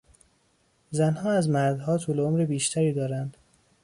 زنها از مردها طول عمر بیشتری دارند.